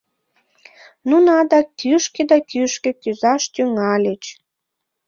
Нуно адак кӱшкӧ да кӱшкӧ кӱзаш тӱҥальыч.